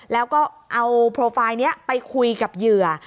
แล้วก็เอาโปรไฟล์นี้ไปคุยกับเหยื่อ